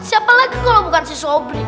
siapa lagi kalau bukan si sobri